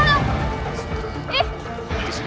bukan masa kiri